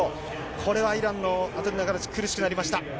これはイランのアトリナガルチ、苦しくなりました。